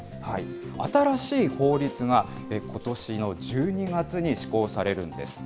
新しい法律がことしの１２月に施行されるんです。